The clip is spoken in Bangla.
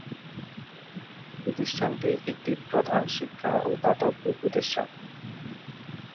প্রতিষ্ঠানটি একটি প্রধান শিক্ষা ও দাতব্য প্রতিষ্ঠান।